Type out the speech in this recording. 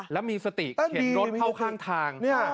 แล้วมีสติเข็นรถเข้าข้างทาง